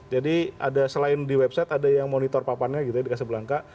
jadi ada selain di website ada yang monitor papannya di kesebelangka